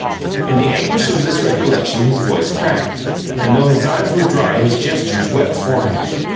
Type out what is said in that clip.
In the anguish of this recollection his voice cracked, and though his eyes were dry his gestures wept for him.